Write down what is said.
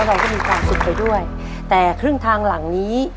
เราก็มีความสุขไปด้วยแต่ครึ่งทางหลังนี้